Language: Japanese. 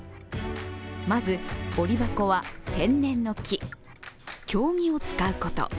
まず折箱は天然の木、経木を使うこと。